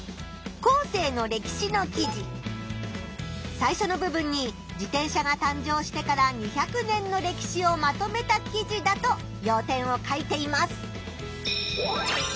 最初の部分に自転車が誕生してから２００年の歴史をまとめた記事だとよう点を書いています。